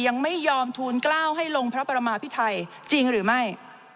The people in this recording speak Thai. ยังไม่ยอมทูลกล้าวให้ลงพระประมาพิไทยจริงหรือไม่